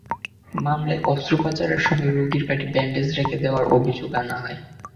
মামলায় অস্ত্রোপচারের সময় রোগীর পেটে ব্যান্ডেজ রেখে দেওয়ার অভিযোগ আনা হয়।